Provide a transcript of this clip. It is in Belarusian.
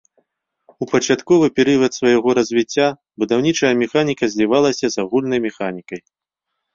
У пачатковы перыяд свайго развіцця будаўнічая механіка злівалася з агульнай механікай.